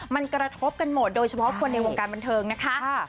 มันกระทบกันหมดโดยเฉพาะคนในวงการบันเทิงนะคะ